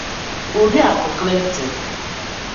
oriakụ Clinton